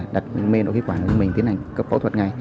đặt mê độ khí quản mình tiến hành cấp phẫu thuật ngay